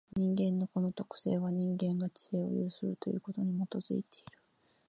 人間のこの特性は、人間が知性を有するということに基いている。